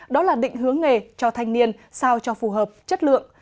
đó là định hướng nghề cho thanh niên sao cho phù hợp chất lượng